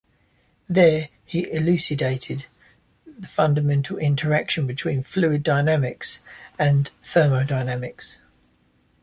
There he elucidated the fundamental interaction between fluid dynamics and thermodynamics.